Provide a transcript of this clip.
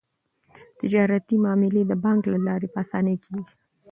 تجارتي معاملې د بانک له لارې په اسانۍ کیږي.